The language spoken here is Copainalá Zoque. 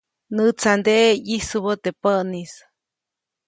Näʼtsanteʼe ʼyisubäʼ teʼ päʼnis.